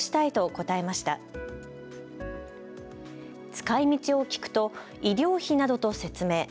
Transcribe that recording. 使いみちを聞くと医療費などと説明。